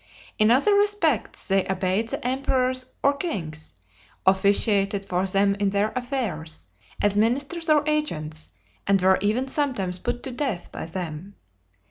In other respects they obeyed the emperors or kings; officiated for them in their affairs, as ministers or agents, and were even sometimes put to death by them.